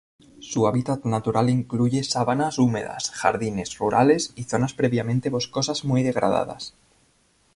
Su hábitat natural incluye sabanas húmedas, jardines rurales y zonas previamente boscosas muy degradadas.